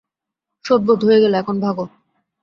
শোধবোধ হয়ে গেলো, এখন ভাগো।